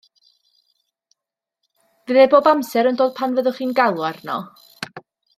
Fydd e bob amser yn dod pan fyddwch chi'n galw arno?